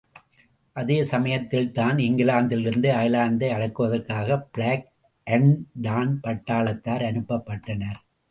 அதே சமயத்தில்தான் இங்கிலாந்திலிருந்து அயர்லாந்தை அடக்குவதற்காகப் பிளாக் அன்டு டான் பட்டாளத்தார் அனுப்பப்பட்டனர்.